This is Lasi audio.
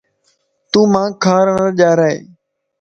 تون مانک کار نه ڄارائي